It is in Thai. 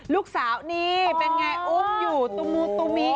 ลูกสาวนี้เป็นอย่างไรอุ้มอยู่ตูมูตูมิ